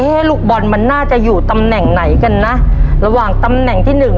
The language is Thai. ลูกบอลมันน่าจะอยู่ตำแหน่งไหนกันนะระหว่างตำแหน่งที่หนึ่ง